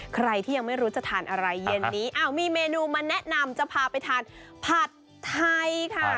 ใครที่ยังไม่รู้จะทานอะไรเย็นนี้มีเมนูมาแนะนำจะพาไปทานผัดไทยค่ะ